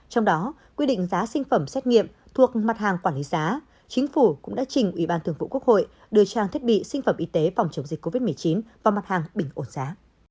trong đó quy định giá sinh phẩm xét nghiệm thuộc mặt hàng quản lý giá chính phủ cũng đã trình ủy ban thường vụ quốc hội đưa trang thiết bị sinh phẩm y tế phòng chống dịch covid một mươi chín vào mặt hàng bình ổn giá